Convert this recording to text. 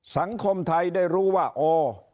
สังคมไทยได้รู้ว่าอ๋อ